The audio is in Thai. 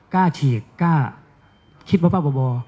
กล้าฉีกกล้าคิดบ้าบ่อ